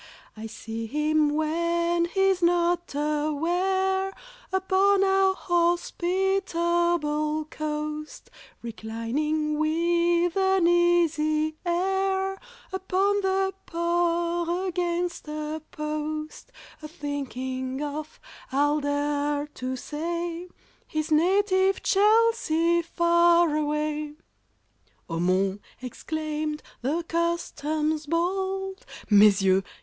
"I see him when he's not aware, Upon our hospitable coast, Reclining with an easy air Upon the Port against a post, A thinking of, I'll dare to say, His native Chelsea far away!" "Oh, mon!" exclaimed the Customs bold, "Mes yeux!"